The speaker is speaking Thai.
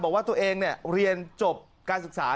บอกว่าตัวเองเรียนจบการศึกษา